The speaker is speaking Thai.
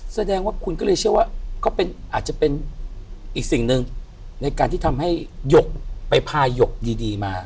แสดงว่าคุณก็เลยเชื่อว่าก็อาจจะเป็นอีกสิ่งหนึ่งในการที่ทำให้หยกไปพาหยกดีมา